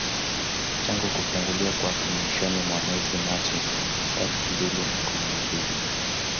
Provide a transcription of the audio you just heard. Tangu kufunguliwa kwake mwishoni mwa mwezi Machi elfu mbili na kumi na mbili